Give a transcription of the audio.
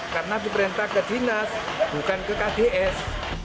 karena diperintah ke dinas bukan ke kgs